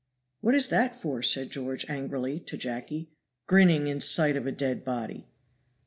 "What is that for?" said George, angrily, to Jacky "grinning in sight of a dead body?"